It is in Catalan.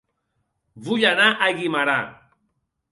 Vull anar a Guimerà